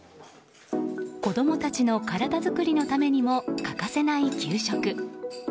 子供たちの体作りのためにも欠かせない給食。